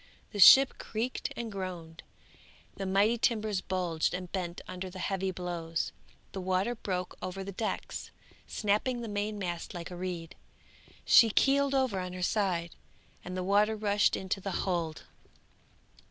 The ship creaked and groaned; the mighty timbers bulged and bent under the heavy blows; the water broke over the decks, snapping the main mast like a reed; she heeled over on her side, and the water rushed into the hold.